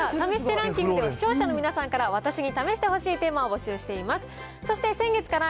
試してランキングでは、視聴者の皆さんから私に試してほしいテーマを募集しています。